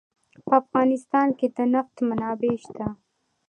په افغانستان کې د نفت منابع شته.